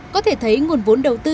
có thể thấy nguồn vốn đầu tư